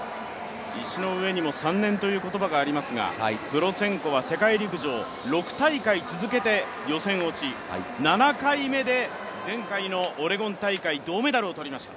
石の上にも三年という言葉がありますが、プロツェンコは世界陸上６大会続けて予選落ち、７回目で前回のオレゴン大会銅メダルを取りました。